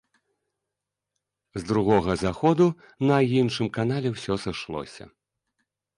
З другога заходу на іншым канале ўсё сышлося.